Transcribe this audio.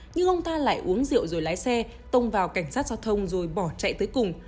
nhưng ông tha lại uống rượu rồi lái xe tông vào cảnh sát giao thông rồi bỏ chạy tới cùng